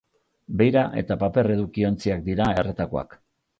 Beira eta paper edukiontziak dira erretakoak.